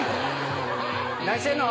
何してんの？